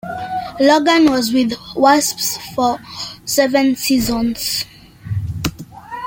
Logan was with Wasps for seven seasons.